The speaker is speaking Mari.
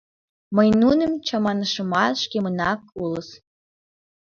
Мый нуным чаманышымат «Шкемынат улыс!